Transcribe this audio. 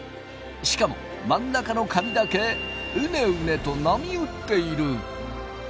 しかも真ん中の紙だけうねうねと波打っている。